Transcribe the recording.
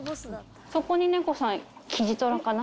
そこに猫さん、キジトラかな。